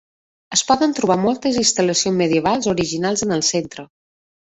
Es poden trobar moltes instal·lacions medievals originals en el centre.